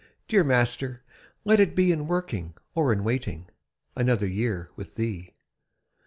Dear Master, let it be In working or in waiting, Another year with Thee.